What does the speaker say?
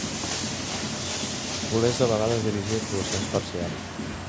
Boulez de vegades dirigia actuacions parcials.